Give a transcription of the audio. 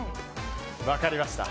分かりました。